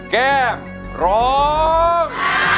แก้มร้อง